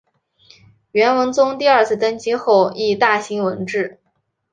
元文宗第二次登基后亦大兴文治。